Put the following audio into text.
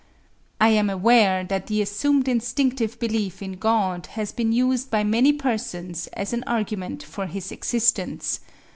I am aware that the assumed instinctive belief in God has been used by many persons as an argument for His existence.